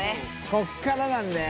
こっからなんだよ。